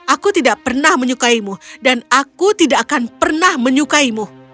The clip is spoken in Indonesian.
aku tidak pernah menyukaimu dan aku tidak akan pernah menyukaimu